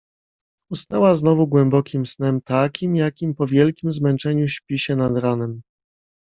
Usnęła znowu, głębokim snem, takim, jakim po wielkim zmęczeniu śpi się nad ranem.